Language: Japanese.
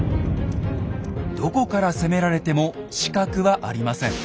どこから攻められても死角はありません。